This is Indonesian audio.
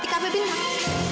di kb bintang